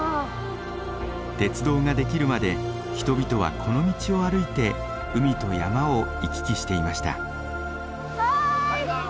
鉄道が出来るまで人々はこの道を歩いて海と山を行き来していました。